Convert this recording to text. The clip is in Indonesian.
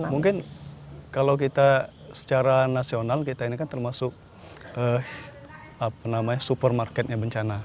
mungkin kalau kita secara nasional kita ini kan termasuk supermarketnya bencana